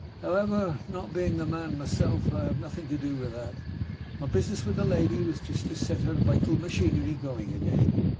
However, not being the man myself, I have nothing to do with that. My business with the lady was just to set her vital machinery going again.